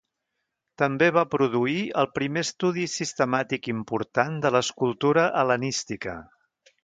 També va produir el primer estudi sistemàtic important de l'escultura hel·lenística.